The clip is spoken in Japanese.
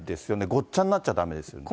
ごっちゃになっちゃだめですよね。